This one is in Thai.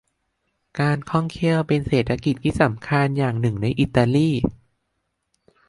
การท่องเที่ยวเป็นเศรษกิจทีสำคัญอย่างหนึ่งในอิตาลี